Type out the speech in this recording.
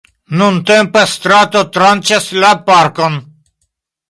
Nuntempe strato tranĉas la parkon.